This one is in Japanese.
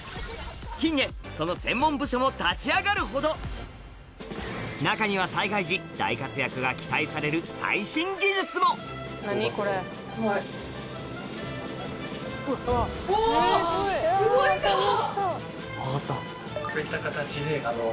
近年その専門部署も立ち上がるほど中には災害時大活躍が期待される最新技術もこういった形で。